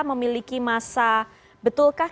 memiliki masa betulkah